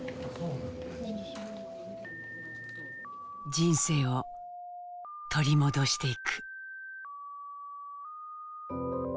人生を取り戻していく。